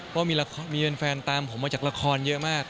เพราะมีแฟนตามผมมาจากละครเยอะมาก